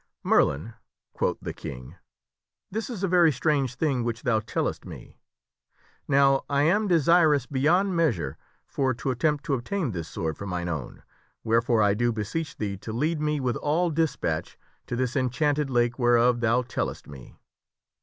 " Merlin," quoth the King, " this is a very strange thing which thou tellest me. Now I am desirous beyond measure for to attempt to obtain this sword for mine own, wherefore I do beseech thee to lead me with all despatch to this enchanted lake whereof thou tellest me."